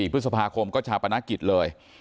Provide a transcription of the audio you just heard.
พฤษภาคมก็ชาปนกิจเลย